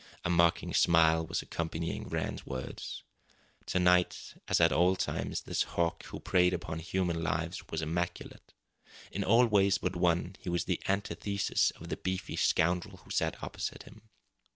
A mocking smile was accompanying Rann's words. To night, as at all times, this hawk who preyed upon human lives was immaculate. In all ways but one he was the antithesis of the beefy scoundrel who sat opposite him.